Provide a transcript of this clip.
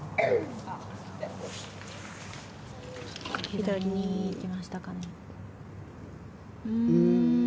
左に行きましたかね。